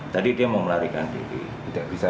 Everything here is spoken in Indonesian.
tadi dia mau melarikan diri tidak bisa